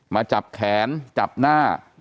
มาจับแขนจับหน้า